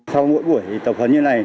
sau mỗi buổi tập huấn như thế này